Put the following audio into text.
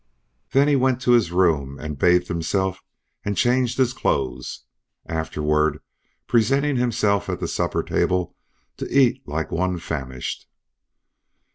Then he went to his room and bathed himself and changed his clothes, afterward presenting himself at the supper table to eat like one famished.